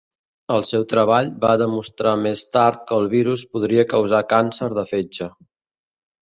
El seu treball va demostrar més tard que el virus podria causar càncer de fetge.